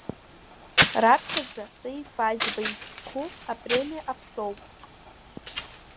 Раԥхьаӡа Таиф Аџьба ихьӡ зху апремиа аԥҵоуп.